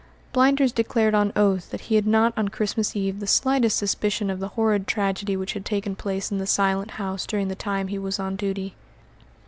Blinders declared on oath that he had not on Christmas Eve the slightest suspicion of the horrid tragedy which had taken place in the Silent House during the time he was on duty.